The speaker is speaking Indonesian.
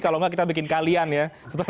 kalau nggak kita bikin kalian ya